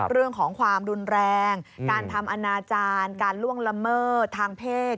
เรื่องของความรุนแรงการทำอนาจารย์การล่วงละเมิดทางเพศ